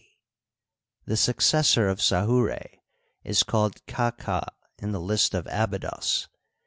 c), the successor of Sahura, is called Kaka in the Ust of Abydos.